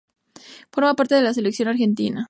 Forma parte de la Selección argentina.